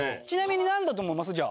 ちなみになんだと思います？